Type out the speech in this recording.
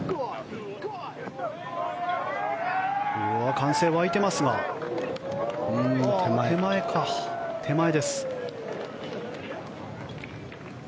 歓声が沸いていますが手前です。